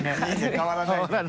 変わらないね。